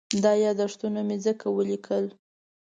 دا یادښتونه مې ځکه وليکل.